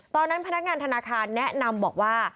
ตอนนั้นพนักงานธนาคารแนะนำบอกว่า